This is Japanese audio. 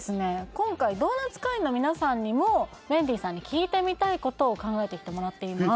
今回ドーナツ会員の皆さんにもメンディーさんに聞いてみたいことを考えてきてもらっています